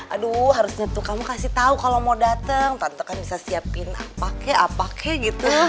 aduh harusnya tuh kamu kasih tau kalau mau dateng tante kan bisa siapin apa kek apa kek gitu